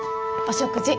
お食事